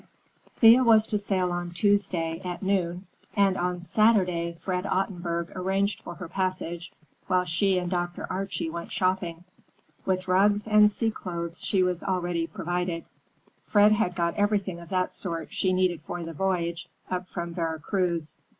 V Thea was to sail on Tuesday, at noon, and on Saturday Fred Ottenburg arranged for her passage, while she and Dr. Archie went shopping. With rugs and sea clothes she was already provided; Fred had got everything of that sort she needed for the voyage up from Vera Cruz.